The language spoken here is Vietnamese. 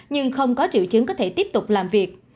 nhưng không có triệu chứng có thể tiếp tục làm việc